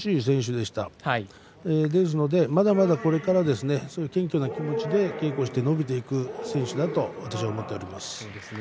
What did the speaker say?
ですのでまだまだこれからそういう謙虚な気持ちで稽古して伸びていく選手だと私は見ています。